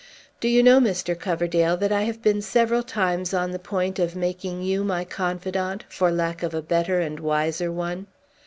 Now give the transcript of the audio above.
Do you know, Mr. Coverdale, that I have been several times on the point of making you my confidant, for lack of a better and wiser one?